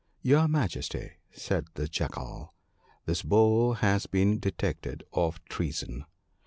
'Your Majesty/ said the Jackal, 'this Bull has been detected of treason.